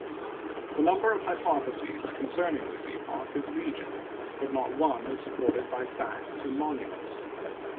The number of hypotheses concerning this epoch is legion, but not one is supported by facts and monuments.